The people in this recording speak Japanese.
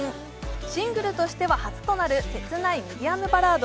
シングルとしては初となる切ないミディアムバラード。